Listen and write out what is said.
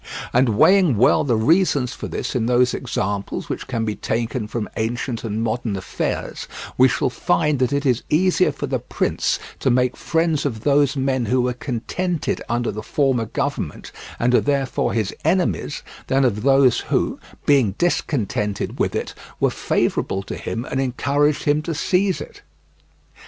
And weighing well the reasons for this in those examples which can be taken from ancient and modern affairs, we shall find that it is easier for the prince to make friends of those men who were contented under the former government, and are therefore his enemies, than of those who, being discontented with it, were favourable to him and encouraged him to seize it.